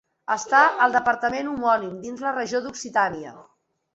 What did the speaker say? Està al Departament homònim, dins la regió d'Occitània.